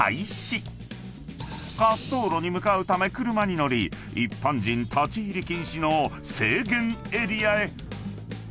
［滑走路に向かうため車に乗り一般人立ち入り禁止の制限エリアへ］